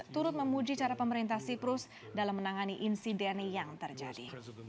turut memuji cara pemerintah cyprus dalam menangani insiden yang terjadi